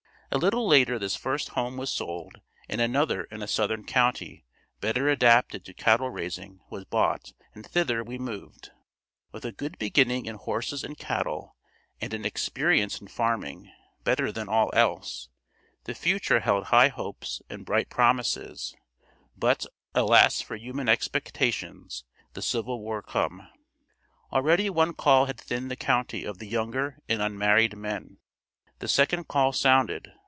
A little later this first home was sold and another in a southern county better adapted to cattle raising was bought and thither we moved. With a good beginning in horses and cattle and an experience in farming, better than all else, the future held high hopes and bright promises, but, alas for human expectations, the Civil War come. Already one call had thinned the county of the younger and unmarried men. The second call sounded.